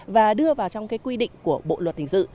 và đưa vào trong quy định của bộ luật hình sự